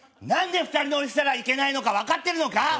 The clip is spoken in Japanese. なんで２人乗りしたらいけないのかわかってるのか？